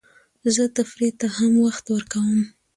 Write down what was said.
زه تفریح ته هم وخت ورکوم.